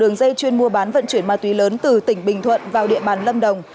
đường dây chuyên mua bán vận chuyển ma túy lớn từ tỉnh bình thuận vào địa bàn lâm đồng